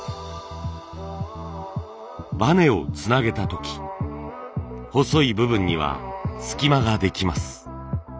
バネをつなげた時細い部分には隙間ができます。